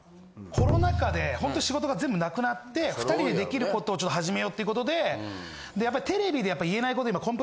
コロナ禍で仕事が全部なくなって２人で出来ることを始めようっていうことでテレビで言えないこと今。